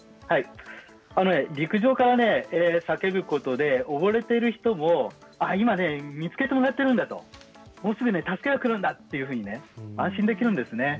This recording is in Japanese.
陸上から叫ぶことで溺れている人も今見つけてもらっているんだともうすぐ助けが来るんだと安心できるんですね。